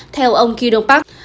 theo ông kido park